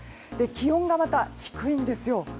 気温がまた低いんです。